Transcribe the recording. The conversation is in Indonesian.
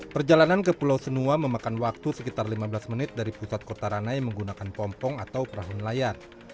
perjalanan ke pulau senua memakan waktu sekitar lima belas menit dari pusat kota ranai menggunakan pompong atau perahu nelayan